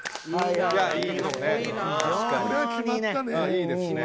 いいですね。